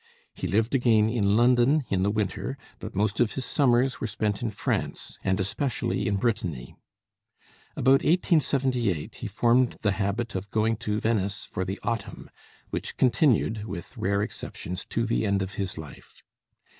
He lived again in London in the winter, but most of his summers were spent in France, and especially in Brittany. About 1878 he formed the habit of going to Venice for the autumn, which continued with rare exceptions to the end of his life.